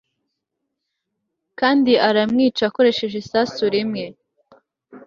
kandi aramwica akoresheje isasu rimwe